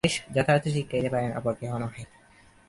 এইরূপ আচার্যই যথার্থ শিক্ষা দিতে পারেন, অপর কেহ নহে।